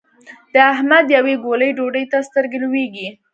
د احمد يوې ګولې ډوډۍ ته سترګې لوېږي.